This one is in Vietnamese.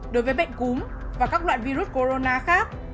đối với bệnh cúm và các loại virus corona khác